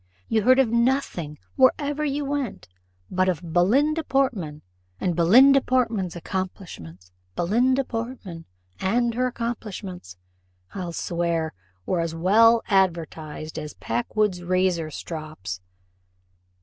You heard of nothing, wherever you went, but of Belinda Portman, and Belinda Portman's accomplishments: Belinda Portman, and her accomplishments, I'll swear, were as well advertised as Packwood's razor strops."